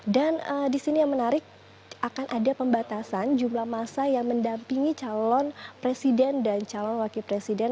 dan di sini yang menarik akan ada pembatasan jumlah masa yang mendampingi calon presiden dan calon wakil presiden